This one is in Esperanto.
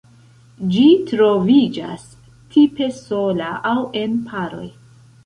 Ĝi troviĝas tipe sola aŭ en paroj.